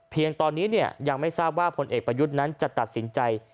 ตอนนี้ยังไม่ทราบว่าพลเอกประยุทธ์นั้นจะตัดสินใจ